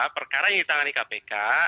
perkara yang ditangani kpk